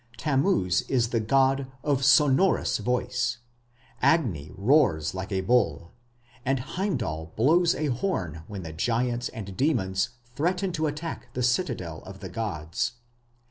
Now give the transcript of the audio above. Tammuz is the god "of sonorous voice"; Agni "roars like a bull"; and Heimdal blows a horn when the giants and demons threaten to attack the citadel of the gods.